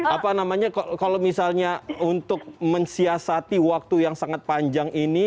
apa namanya kalau misalnya untuk mensiasati waktu yang sangat panjang ini